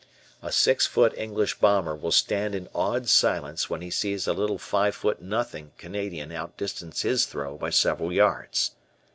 A six foot English bomber will stand in awed silence when he sees a little five foot nothing Canadian out distance his throw by several yards.